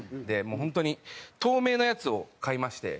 本当に透明なやつを買いまして。